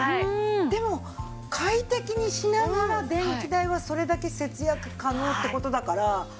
でも快適にしながら電気代はそれだけ節約可能って事だから付けたいよね。